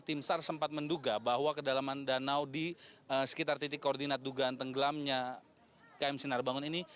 tim sar sempat menduga bahwa kedalaman danau di sekitar titik koordinat dugaan tenggelamnya km sinar bangun ini